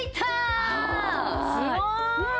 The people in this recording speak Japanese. すごーい！